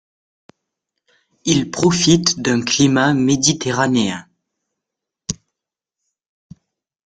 Il profite d'un climat méditerranéen.